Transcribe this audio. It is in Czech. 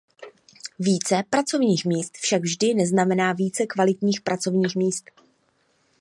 Více pracovních míst však vždy neznamená více kvalitních pracovních míst.